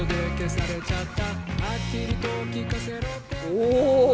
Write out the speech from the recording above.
おお！